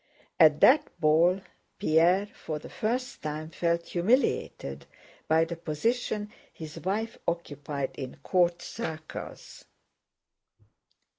At that ball Pierre for the first time felt humiliated by the position his wife occupied in court circles.